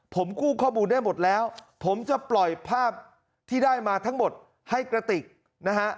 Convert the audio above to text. ผมกู้ข้อมูลได้หมดแล้วผมจะปล่อยภาพที่ได้มาทั้งหมดให้กระติกนะฮะ